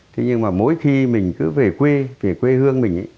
thế nhưng mà mỗi khi mình cứ về quê về quê hương mình ấy